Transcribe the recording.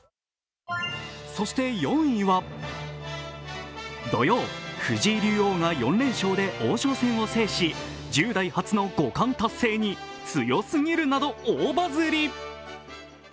そして４位は、土曜、藤井竜王が４連勝で王将戦を制し１０代初の五冠達成に強すぎるなど大バズリ。